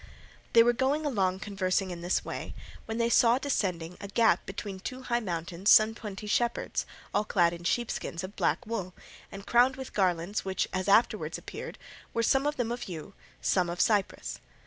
They were going along conversing in this way, when they saw descending a gap between two high mountains some twenty shepherds, all clad in sheepskins of black wool, and crowned with garlands which, as afterwards appeared, were, some of them of yew, some of cypress.